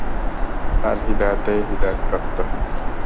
তাঁর হিদায়াতেই হিদায়াতপ্রাপ্ত হন।